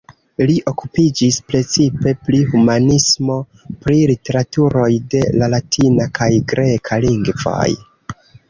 Li okupiĝis precipe pri humanismo, pri literaturoj de la latina kaj greka lingvoj.